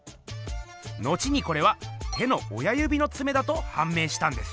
後にこれは手の親ゆびのツメだとはん明したんです。